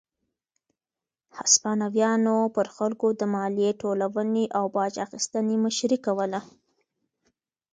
هسپانویانو پر خلکو د مالیې ټولونې او باج اخیستنې مشري کوله.